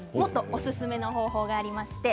おすすめの方法があります。